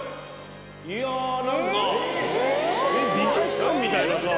いや何か美術館みたいなさぁ。